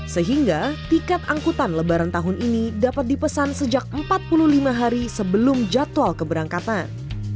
sehingga tiket angkutan lebaran tahun ini dapat dipesan sejak empat puluh lima hari sebelum jadwal keberangkatan